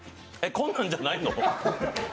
こんなんじゃないの？